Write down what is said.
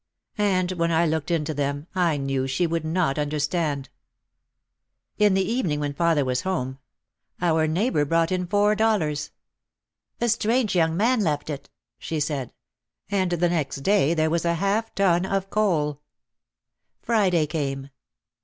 And when I looked into them I knew she would not understand. In the evening when father was home our neighbour HE FLUNG THEM FROM A STRANGE ROOF. OUT OF THE SHADOW 167 brought in four dollars. "A strange young man left it," she said, and the next day there was a half ton of coal. Friday came.